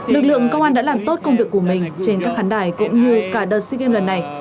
lực lượng công an đã làm tốt công việc của mình trên các khán đài cũng như cả đợt sea games lần này